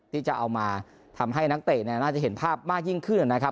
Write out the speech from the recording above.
ที่จะเอามาทำให้นักเตะน่าจะเห็นภาพมากยิ่งขึ้นนะครับ